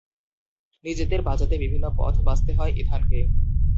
নিজেদের বাঁচাতে ভিন্ন পথ বাছতে হয় ইথানকে।